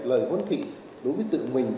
lời huấn thị đối với tự mình